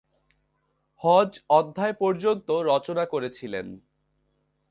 হজ্জ অধ্যায় পর্যন্ত রচনা করেছিলেন।